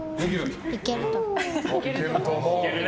いけると思う。